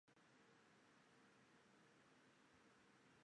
西伯利亚的大多数地区和黑龙江省的北部属于寒温带。